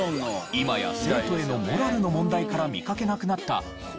今や生徒へのモラルの問題から見かけなくなったこの光景。